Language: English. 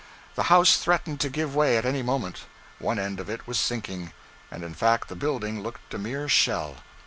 The house threatened to give way at any moment: one end of it was sinking, and, in fact, the building looked a mere shell.